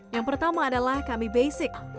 yang pertama adalah kami basic